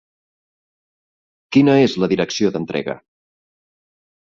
Quina és la direcció d'entrega?